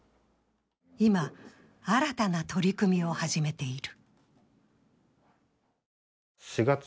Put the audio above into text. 今、新たな取り組みを始めている。